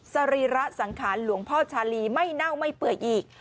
สรีระสังขารหลวงพ่อชาลีไม่เน่าไม่เปื่อยอีก